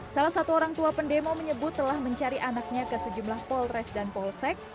salah satu orang tua pendemo menyebut telah mencari anaknya ke sejumlah polres dan polsek